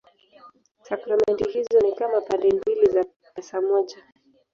Sakramenti hizo ni kama pande mbili za pesa moja.